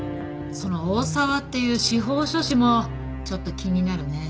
その大沢っていう司法書士もちょっと気になるね。